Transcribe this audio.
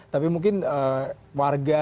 tapi mungkin warga